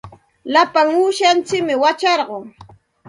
Lapa uushantsikmi wacharqun.